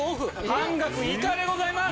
半額以下でございます。